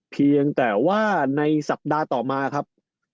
เพียงแต่ว่าในสัปดาห์ต่อมาครับ